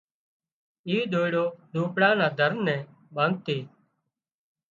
اي ۮوئيڙو زونپڙا نا در نين ٻانڌتي